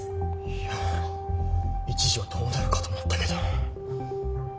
いや一時はどうなるかと思ったけど。